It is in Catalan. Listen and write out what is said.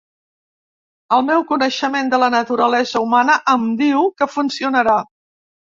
El meu coneixement de la naturalesa humana em diu que funcionarà.